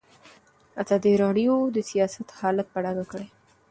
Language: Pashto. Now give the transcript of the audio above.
ازادي راډیو د سیاست حالت په ډاګه کړی.